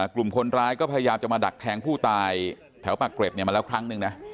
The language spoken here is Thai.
กลุ่มคนร้ายก็พยายามจะมาดักแทงผู้ตายแถวปากเกร็ดมาแล้วครั้งนึงนะ